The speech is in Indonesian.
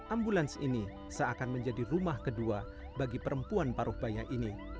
ambulans ini seakan menjadi rumah kedua bagi perempuan paruh baya ini